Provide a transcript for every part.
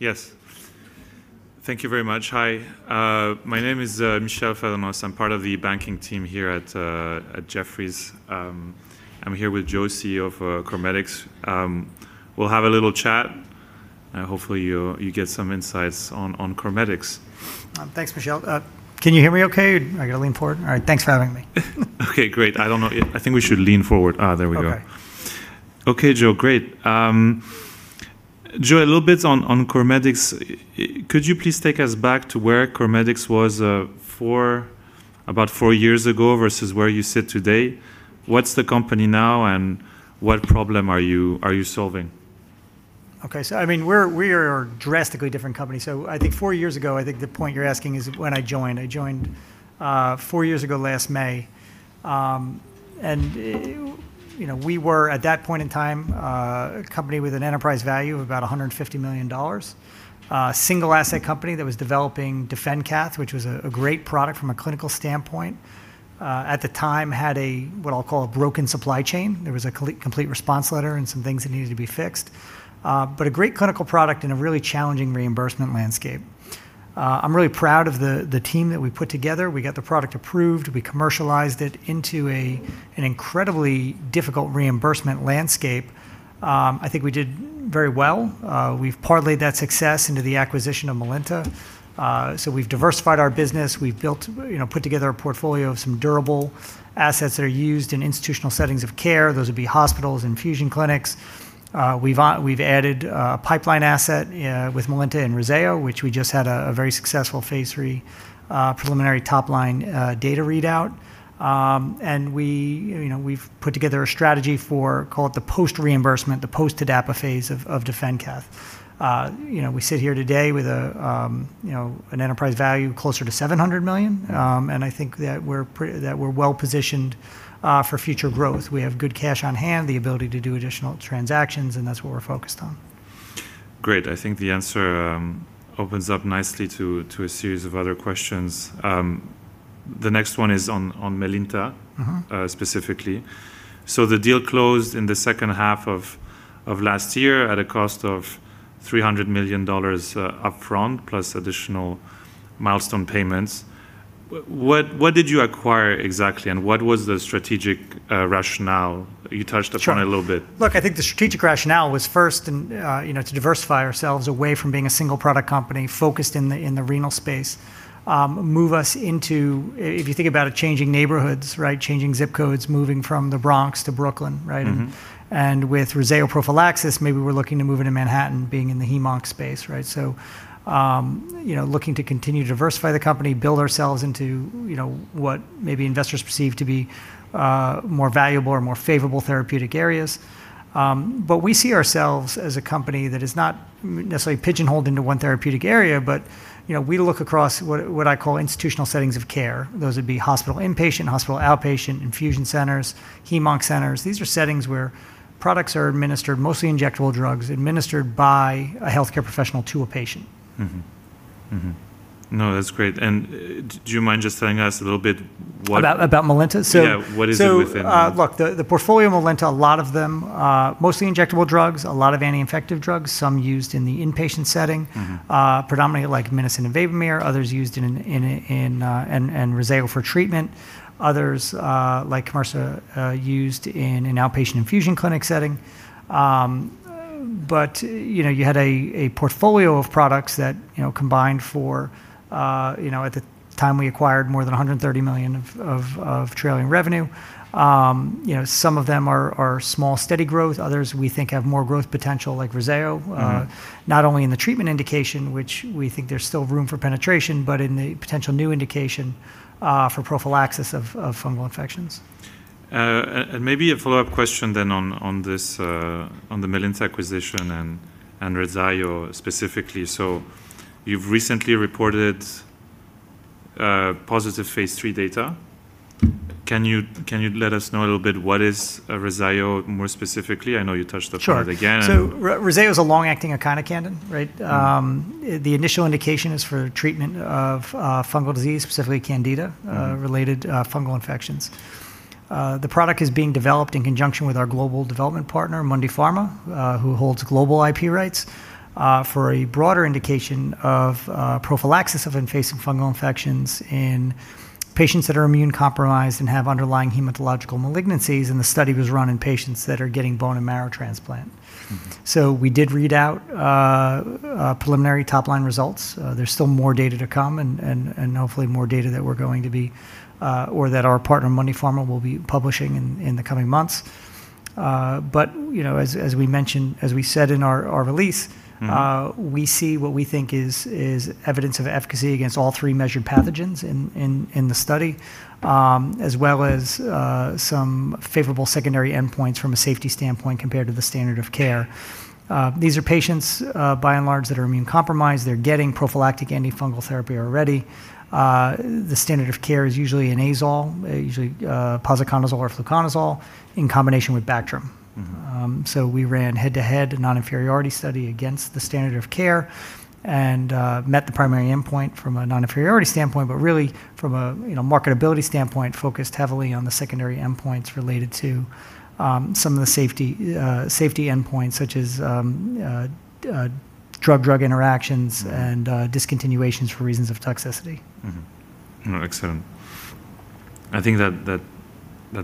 Yes. Thank you very much. Hi. My name is Michael Addeo. I'm part of the banking team here at Jefferies. I'm here with Joe, CEO of CorMedix. We'll have a little chat, and hopefully you get some insights on CorMedix. Thanks, Michael. Can you hear me okay? I've got to lean forward? All right. Thanks for having me. Okay, great. I think we should lean forward. There we go. Okay. Okay, Joe. Great. Joe, a little bit on CorMedix. Could you please take us back to where CorMedix was about four years ago versus where you sit today? What's the company now, and what problem are you solving? Okay. We are a drastically different company. I think 4 years ago, I think the point you're asking is when I joined. I joined 4 years ago last May. We were, at that point in time, a company with an enterprise value of about $150 million. A single asset company that was developing DefenCath, which was a great product from a clinical standpoint. At the time, had a, what I'll call, a broken supply chain. There was a complete response letter and some things that needed to be fixed. A great clinical product in a really challenging reimbursement landscape. I'm really proud of the team that we put together. We got the product approved. We commercialized it into an incredibly difficult reimbursement landscape. I think we did very well. We've parlayed that success into the acquisition of Melinta. We've diversified our business. We've put together a portfolio of some durable assets that are used in institutional settings of care. Those would be hospitals, infusion clinics. We've added a pipeline asset with Melinta and REZZAYO, which we just had a very successful phase III preliminary top-line data readout. We've put together a strategy for, call it the post-reimbursement, the post-TDAPA phase of DefenCath. We sit here today with an enterprise value closer to $700 million, and I think that we're well-positioned for future growth. We have good cash on hand, the ability to do additional transactions, and that's what we're focused on. Great. I think the answer opens up nicely to a series of other questions. The next one is on Melinta. specifically. The deal closed in the second half of last year at a cost of $300 million upfront, plus additional milestone payments. What did you acquire exactly, and what was the strategic rationale? You touched upon it a little bit. Sure. Look, I think the strategic rationale was first, to diversify ourselves away from being a single-product company focused in the renal space. Move us into, if you think about it, changing neighborhoods, right? Changing ZIP codes, moving from the Bronx to Brooklyn, right? With REZZAYO prophylaxis, maybe we're looking to move into Manhattan, being in the heme-onc space. Looking to continue to diversify the company, build ourselves into what maybe investors perceive to be more valuable or more favorable therapeutic areas. We see ourselves as a company that is not necessarily pigeonholed into one therapeutic area, but we look across what I call institutional settings of care. Those would be hospital inpatient, hospital outpatient, infusion centers, heme-onc centers. These are settings where products are administered, mostly injectable drugs, administered by a healthcare professional to a patient. Mm-hmm. No, that's great. Do you mind just telling us a little bit. About Melinta? Yeah. What is it within Melinta? Look, the portfolio of Melinta, a lot of them, mostly injectable drugs, a lot of anti-infective drugs. Some used in the inpatient setting. predominantly like amikacin and VABOMERE, others used and REZZAYO for treatment. Others, like Comarsa, used in an outpatient infusion clinic setting. You had a portfolio of products that, combined for, at the time we acquired, more than $130 million of trailing revenue. Some of them are small steady growth. Others we think have more growth potential, like REZZAYO. not only in the treatment indication, which we think there's still room for penetration, but in the potential new indication for prophylaxis of fungal infections. Maybe a follow-up question on the Melinta acquisition and REZZAYO specifically. You've recently reported positive phase III data. Can you let us know a little bit, what is REZZAYO more specifically? I know you touched upon it again. Sure. REZZAYO's a long-acting echinocandin. Right? The initial indication is for treatment of fungal disease, specifically candida-related fungal infections. The product is being developed in conjunction with our global development partner, Mundipharma, who holds global IP rights for a broader indication of prophylaxis of invasive fungal infections in patients that are immune-compromised and have underlying hematological malignancies, and the study was run in patients that are getting bone and marrow transplant. We did read out preliminary top-line results. There's still more data to come, and hopefully more data that our partner, Mundipharma, will be publishing in the coming months. As we said in our release. we see what we think is evidence of efficacy against all three measured pathogens in the study, as well as some favorable secondary endpoints from a safety standpoint compared to the standard of care. These are patients, by and large, that are immune-compromised. They're getting prophylactic antifungal therapy already. The standard of care is usually an azole, usually posaconazole or fluconazole in combination with Bactrim. We ran head-to-head, a non-inferiority study against the standard of care, and met the primary endpoint from a non-inferiority standpoint. Really from a marketability standpoint, focused heavily on the secondary endpoints related to some of the safety endpoints, such as drug-drug interactions and discontinuations for reasons of toxicity. Mm-hmm. No, excellent. I think that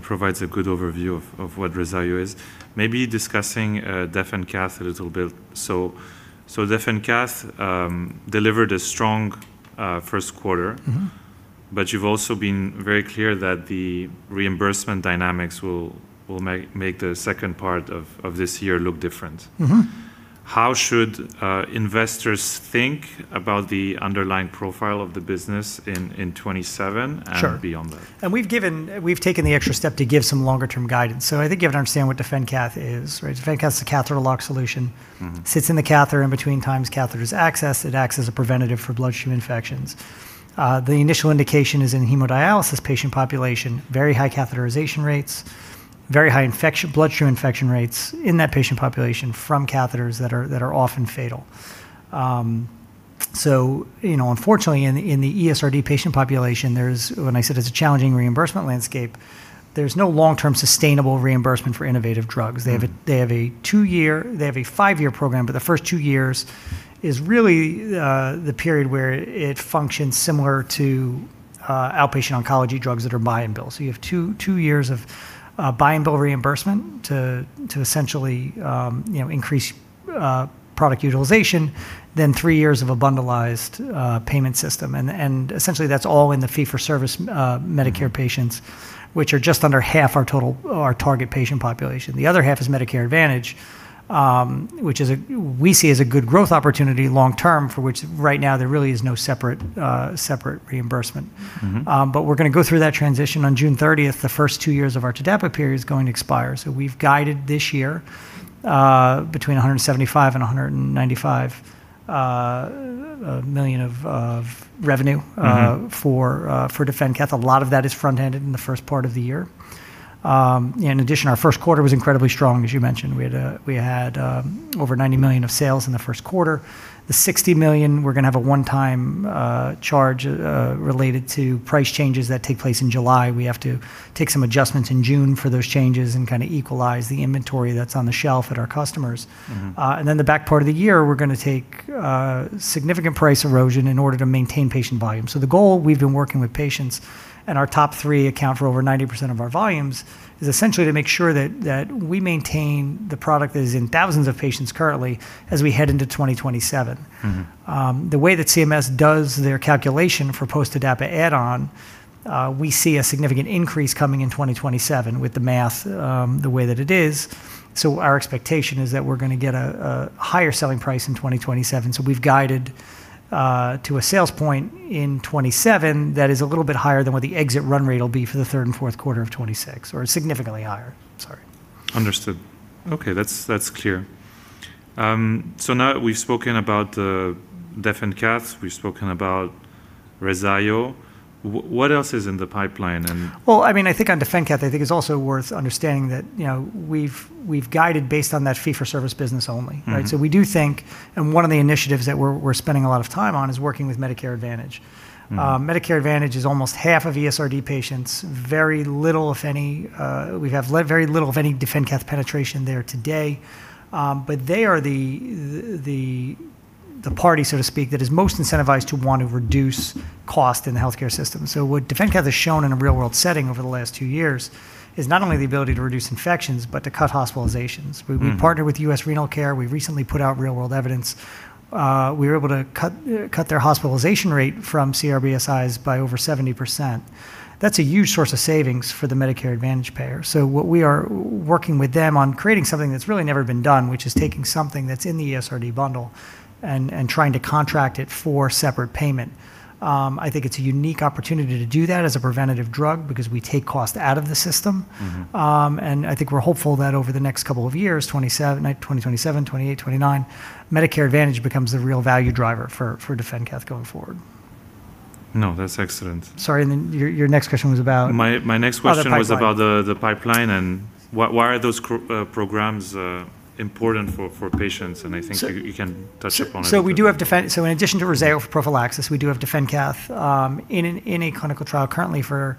provides a good overview of what REZZAYO is. Maybe discussing DefenCath a little bit. DefenCath delivered a strong first quarter. You've also been very clear that the reimbursement dynamics will make the second part of this year look different. How should investors think about the underlying profile of the business in 2027? Sure beyond that? We've taken the extra step to give some longer term guidance. I think you have to understand what DefenCath is, right? DefenCath's a catheter lock solution. Sits in the catheter in between times catheters access. It acts as a preventative for bloodstream infections. The initial indication is in hemodialysis patient population, very high catheterization rates, very high bloodstream infection rates in that patient population from catheters that are often fatal. Unfortunately in the ESRD patient population, when I said it's a challenging reimbursement landscape, there's no long-term sustainable reimbursement for innovative drugs. They have a five-year program, but the first two years is really the period where it functions similar to outpatient oncology drugs that are buy and bill. So you have two years of buy and bill reimbursement to essentially increase product utilization. Then three years of a bundleized payment system. Essentially that's all in the fee-for-service Medicare patients, which are just under half our target patient population. The other half is Medicare Advantage, which we see as a good growth opportunity long term for which right now there really is no separate reimbursement. We're going to go through that transition on June 30th. The first two years of our TDAPA period's going to expire. We've guided this year between $175 million and $195 million of revenue. for DefenCath. A lot of that is front-ended in the first part of the year. In addition, our first quarter was incredibly strong, as you mentioned. We had over $90 million of sales in the first quarter. The $60 million, we're going to have a one-time charge related to price changes that take place in July. We have to take some adjustments in June for those changes and kind of equalize the inventory that's on the shelf at our customers. The back part of the year, we're going to take significant price erosion in order to maintain patient volume. The goal, we've been working with patients, and our top three account for over 90% of our volumes, is essentially to make sure that we maintain the product that is in thousands of patients currently, as we head into 2027. The way that CMS does their calculation for post-TDAPA add-on, we see a significant increase coming in 2027 with the math the way that it is. Our expectation is that we're going to get a higher selling price in 2027. We've guided to a sales point in 2027 that is a little bit higher than what the exit run rate will be for the third and fourth quarter of 2026, or significantly higher. Sorry. Understood. Okay. That's clear. Now we've spoken about DefenCath, we've spoken about REZZAYO. What else is in the pipeline? Well, I think on DefenCath, I think it's also worth understanding that we've guided based on that fee-for-service business only, right? We do think one of the initiatives that we're spending a lot of time on is working with Medicare Advantage. Medicare Advantage is almost half of ESRD patients. We have very little, if any, DefenCath penetration there today. They are the party, so to speak, that is most incentivized to want to reduce cost in the healthcare system. What DefenCath has shown in a real world setting over the last two years is not only the ability to reduce infections, but to cut hospitalizations. We've partnered with U.S. Renal Care. We've recently put out real world evidence. We were able to cut their hospitalization rate from CRBSIs by over 70%. That's a huge source of savings for the Medicare Advantage payer. What we are working with them on creating something that's really never been done, which is taking something that's in the ESRD bundle and trying to contract it for separate payment. I think it's a unique opportunity to do that as a preventative drug because we take cost out of the system. I think we're hopeful that over the next couple of years, 2027, 2028, 2029, Medicare Advantage becomes the real value driver for DefenCath going forward. No, that's excellent. Sorry, your next question was about- My next question. oh, the pipeline. was about the pipeline, and why are those programs important for patients? I think you can touch upon it a bit. In addition to REZZAYO for prophylaxis, we do have DefenCath in a clinical trial currently for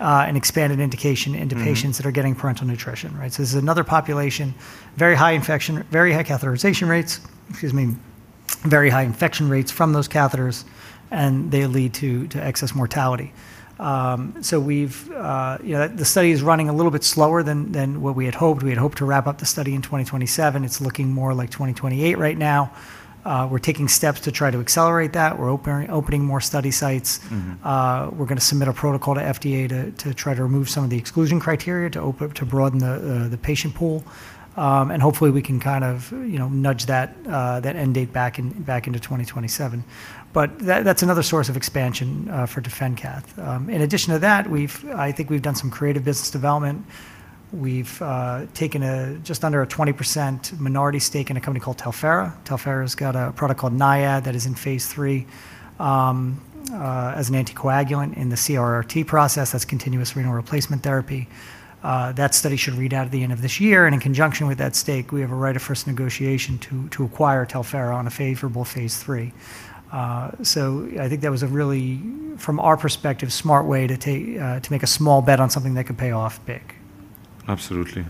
an expanded indication into patients. that are getting parenteral nutrition, right? This is another population, very high catheterization rates, excuse me, very high infection rates from those catheters, and they lead to excess mortality. The study is running a little bit slower than what we had hoped. We had hoped to wrap up the study in 2027. It's looking more like 2028 right now. We're taking steps to try to accelerate that. We're opening more study sites. We're going to submit a protocol to FDA to try to remove some of the exclusion criteria to broaden the patient pool. Hopefully we can kind of nudge that end date back into 2027. That's another source of expansion for DefenCath. In addition to that, I think we've done some creative business development. We've taken just under a 20% minority stake in a company called Talphera. Talphera's got a product called Niyad that is in phase III as an anticoagulant in the CRRT process. That's continuous renal replacement therapy. That study should read out at the end of this year, and in conjunction with that stake, we have a right of first negotiation to acquire Talphera on a favorable phase III. I think that was a really, from our perspective, smart way to make a small bet on something that could pay off big. Absolutely.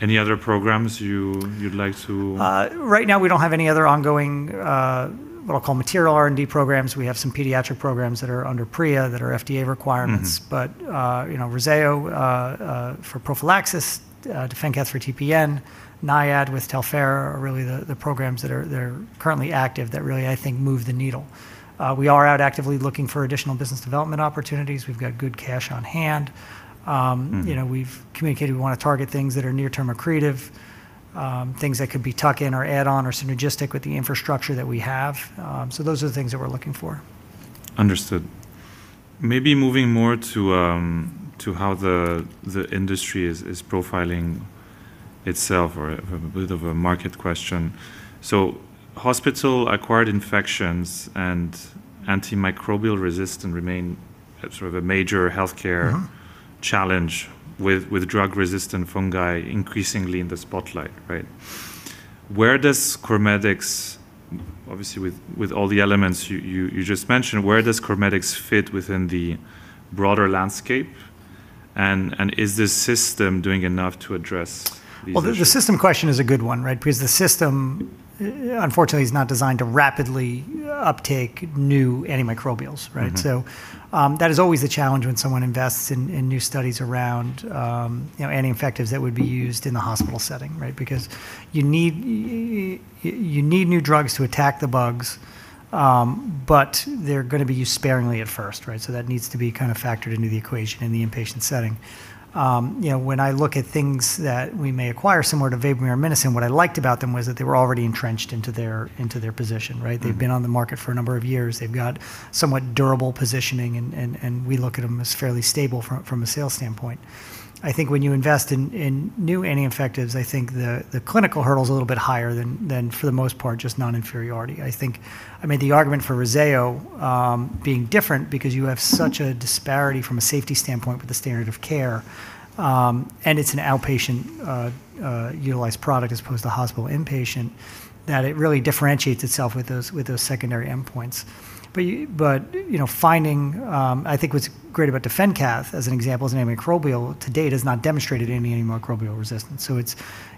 Any other programs you'd like to? Right now, we don't have any other ongoing, what I'll call material R&D programs. We have some pediatric programs that are under PREA that are FDA requirements. REZZAYO for prophylaxis, DefenCath for TPN, Niyad with Talphera are really the programs that are currently active that really, I think, move the needle. We are out actively looking for additional business development opportunities. We've got good cash on hand. We've communicated, we want to target things that are near term or accretive, things that could be tuck-in or add-on or synergistic with the infrastructure that we have. Those are the things that we're looking for. Understood. Maybe moving more to how the industry is profiling itself or a bit of a market question. Hospital-acquired infections and antimicrobial resistance remain sort of a major healthcare. challenge with drug-resistant fungi increasingly in the spotlight, right? Obviously with all the elements you just mentioned, where does CorMedix fit within the broader landscape, and is this system doing enough to address these issues? Well, the system question is a good one, right? The system, unfortunately, is not designed to rapidly uptake new antimicrobials, right? That is always a challenge when someone invests in new studies around anti-infectives that would be used in the hospital setting, right? You need new drugs to attack the bugs, but they're going to be used sparingly at first, right? That needs to be kind of factored into the equation in the inpatient setting. When I look at things that we may acquire similar to VABOMERE, what I liked about them was that they were already entrenched into their position, right? They've been on the market for a number of years. They've got somewhat durable positioning and we look at them as fairly stable from a sales standpoint. I think when you invest in new anti-infectives, I think the clinical hurdle's a little bit higher than, for the most part, just non-inferiority. I think, the argument for REZZAYO being different because you have such a disparity from a safety standpoint with the standard of care, and it's an outpatient-utilized product as opposed to hospital inpatient, that it really differentiates itself with those secondary endpoints. I think what's great about DefenCath as an example as an antimicrobial to date has not demonstrated any antimicrobial resistance.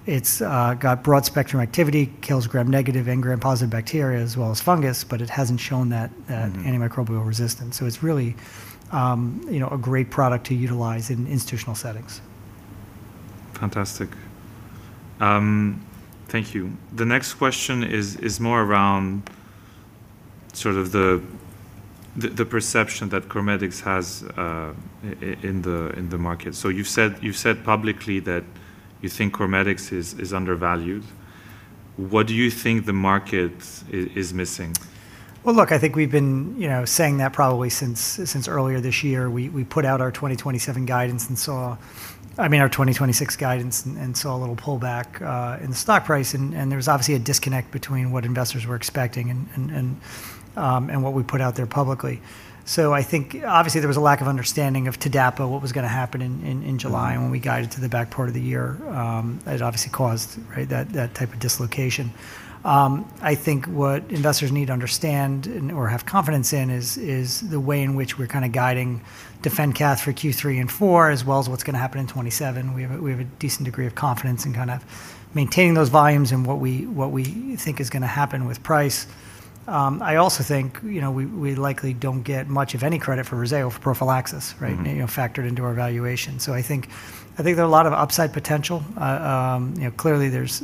It's got broad-spectrum activity, kills gram-negative and gram-positive bacteria as well as fungus. antimicrobial resistance. It's really a great product to utilize in institutional settings. Fantastic. Thank you. The next question is more around sort of the perception that CorMedix has in the market. You've said publicly that you think CorMedix is undervalued. What do you think the market is missing? Well, look, I think we've been saying that probably since earlier this year. We put out our 2027 guidance and saw I mean, our 2026 guidance and saw a little pullback in the stock price, and there was obviously a disconnect between what investors were expecting and what we put out there publicly. I think obviously there was a lack of understanding of TDAPA, what was going to happen in July. when we guided to the back part of the year. It obviously caused that type of dislocation. I think what investors need to understand or have confidence in is the way in which we're kind of guiding DefenCath for Q3 and Q4, as well as what's going to happen in 2027. We have a decent degree of confidence in kind of maintaining those volumes and what we think is going to happen with price. I also think we likely don't get much of any credit for REZZAYO for prophylaxis, right? Factored into our valuation. I think there are a lot of upside potential. Clearly, there's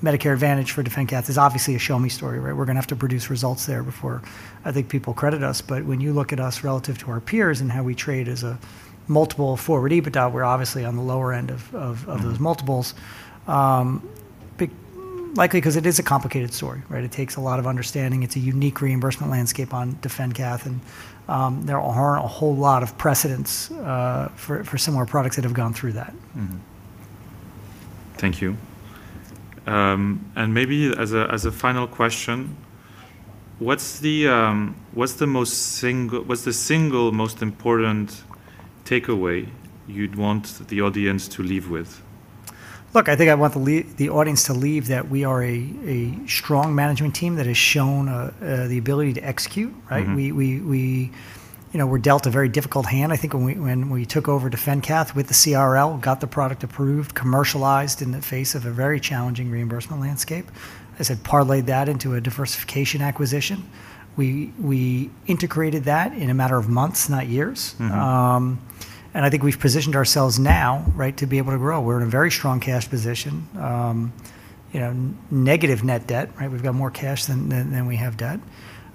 Medicare Advantage for DefenCath is obviously a show-me story, right? We're going to have to produce results there before, I think, people credit us. When you look at us relative to our peers and how we trade as a multiple forward EBITDA, we're obviously on the lower end of those- multiples. Likely because it is a complicated story, right? It takes a lot of understanding. It's a unique reimbursement landscape on DefenCath, and there aren't a whole lot of precedents for similar products that have gone through that. Thank you. Maybe as a final question, what's the single most important takeaway you'd want the audience to leave with? Look, I think I want the audience to leave that we are a strong management team that has shown the ability to execute, right? We're dealt a very difficult hand. I think when we took over DefenCath with the CRL, got the product approved, commercialized in the face of a very challenging reimbursement landscape, as had parlayed that into a diversification acquisition. We integrated that in a matter of months, not years. I think we've positioned ourselves now, right, to be able to grow. We're in a very strong cash position. Negative net debt, right? We've got more cash than we have debt.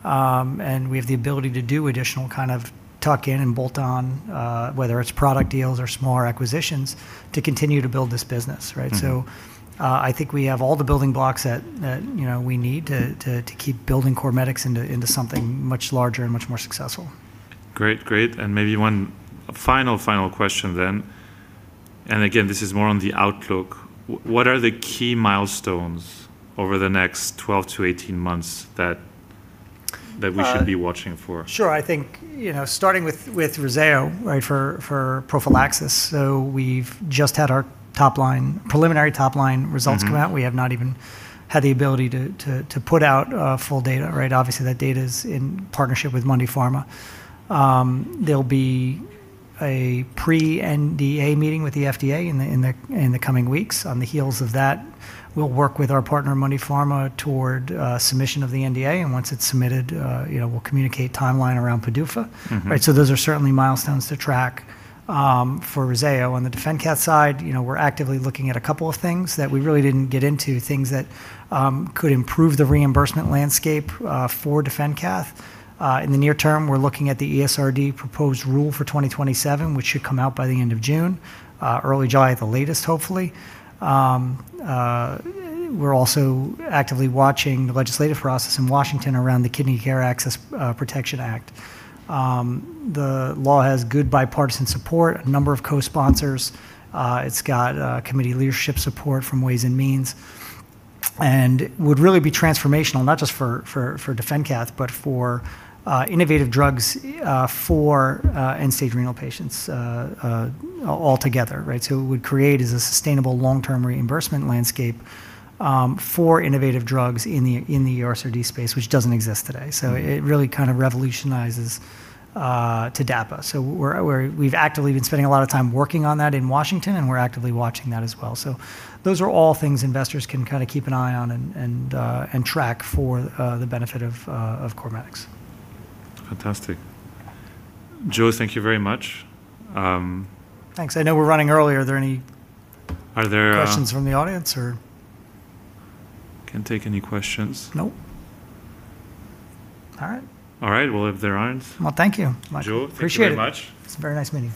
We have the ability to do additional kind of tuck-in and bolt-on, whether it's product deals or smaller acquisitions to continue to build this business, right? I think we have all the building blocks that we need to keep building CorMedix into something much larger and much more successful. Great. Maybe one final question then. Again, this is more on the outlook. What are the key milestones over the next 12 to 18 months that we should be watching for? Sure. I think, starting with REZZAYO, right, for prophylaxis. We've just had our preliminary top-line results. come out. We have not even had the ability to put out full data, right? Obviously, that data is in partnership with Mundipharma. There'll be a pre-NDA meeting with the FDA in the coming weeks. On the heels of that, we'll work with our partner, Mundipharma, toward submission of the NDA, and once it's submitted we'll communicate timeline around PDUFA. Right. Those are certainly milestones to track for REZZAYO. On the DefenCath side, we're actively looking at a couple of things that we really didn't get into, things that could improve the reimbursement landscape for DefenCath. In the near term, we're looking at the ESRD proposed rule for 2027, which should come out by the end of June, early July at the latest, hopefully. We're also actively watching the legislative process in Washington around the Kidney Care Access Protection Act. The law has good bipartisan support, a number of co-sponsors. It's got committee leadership support from Ways and Means, would really be transformational, not just for DefenCath, but for innovative drugs for end-stage renal patients altogether, right? What it would create is a sustainable long-term reimbursement landscape for innovative drugs in the ESRD space, which doesn't exist today. It really kind of revolutionizes TDAPA. We've actively been spending a lot of time working on that in Washington, and we're actively watching that as well. Those are all things investors can kind of keep an eye on and track for the benefit of CorMedix. Fantastic. Joe, thank you very much. Thanks. I know we're running early. Are there any? Are there- questions from the audience, or? Can take any questions. Nope. All right. All right. Well. Well, thank you. Joe, thank you very much. Appreciate it. It's a very nice meeting you.